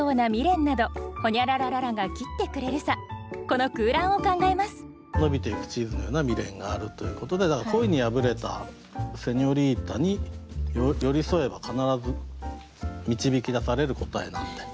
この空欄を考えます「伸びてゆくチーズのような未練」があるということでだから恋に破れたセニョリータに寄り添えば必ず導き出される答えなんで。